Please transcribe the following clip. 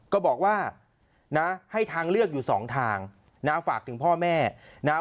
ก็บอกว่านะให้ทางเลือกอยู่สองทางนะฝากถึงพ่อแม่นะฮะ